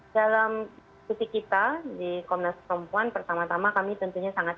dalam diskusi kita di komnas perempuan pertama tama kami tentunya sangat